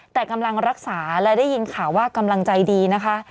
แต่กำลังรักษาและได้ยินข่าวว่ากำลังใจดีนะคะ